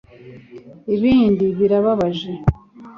Ibindi birababaje